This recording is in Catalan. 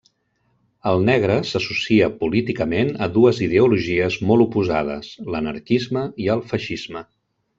El negre s'associa políticament a dues ideologies molt oposades: l'anarquisme i el feixisme.